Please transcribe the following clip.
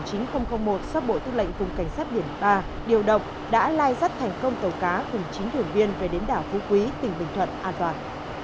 do bộ tư lệnh vùng cảnh sát biển ba điều động đã lai dắt thành công tàu cá cùng chín thuyền viên về đến đảo phú quý tỉnh bình thuận an toàn